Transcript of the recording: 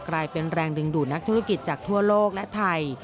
กลายเป็นแรงดึงดูดนักธุรกิจจากทั่วโลกและไทย